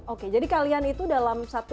oke jadi kalian itu dalam satu adegan itu